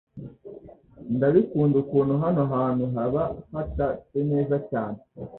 Ndabikunda ukuntu hano hantu haba hatatse neza cyane .